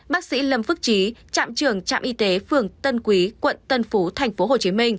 bác sĩ lâm phước trí trạm trưởng trạm y tế phường tân quý quận tân phú tp hcm